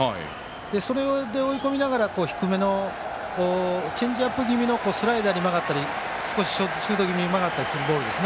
それで追い込みながら、低めのチェンジアップ気味のスライダーに曲がったりシュート気味に曲がったりするボール